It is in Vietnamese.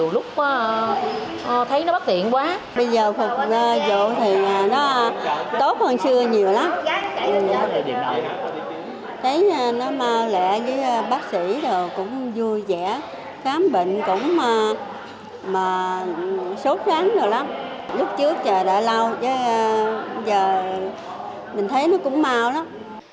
lúc trước chờ đã lâu chứ bây giờ mình thấy nó cũng mau lắm